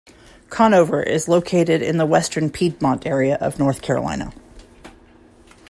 Conover is located in the western piedmont area of North Carolina.